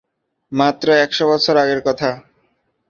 মাত্র একশো বছর আগের কথা।